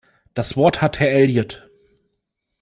Das Wort hat Herr Elliott.